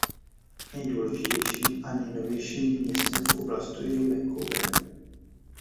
Nejdůležitějším a největším městem v oblasti je Vancouver.